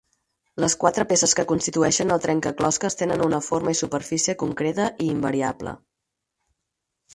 Les quatre peces que constitueixen el trencaclosques tenen una forma i superfície concreta i invariable.